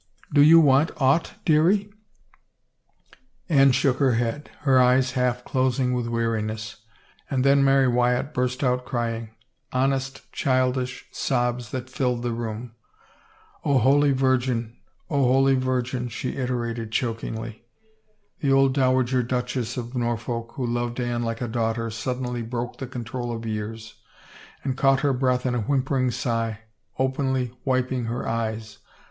" Do you want aught, dearie ?" Anne shook her head, her eyes half closing with weariness. And then Mary Wyatt burst out crying, hon est childish sobs that filled the room. " O Holy Virgin, 300 THE WRITING ON THE WALL O Holy Virgin," she iterated chokingly. The old Dow ager Duchess of Norfolk who loved Anne like a daughter suddenly broke the control of years, and caught her breath in a whimpering sigh, openly wiping her eyes.